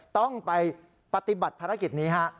ต้องไปปฏิบัติภารกิจนี้ฮะ